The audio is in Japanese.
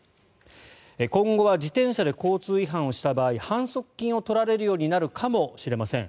今後は自転車で交通違反をした場合反則金を取られるようになるかもしれません。